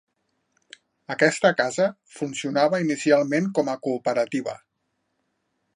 Aquesta casa funcionava inicialment com a cooperativa.